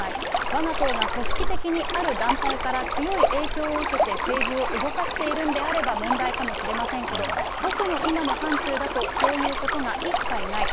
わが党が組織的にある団体から強い影響を受けて、政治を動かしているのであれば、問題かもしれませんけど、僕の今の範ちゅうだと、そういうことが一切ない。